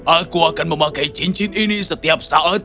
aku akan memakai cincin ini setiap saat